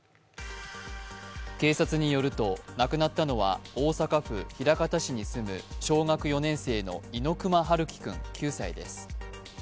警察によると、亡くなったのは大阪府枚方市に住む小学４年生の猪熊遥希君９歳です。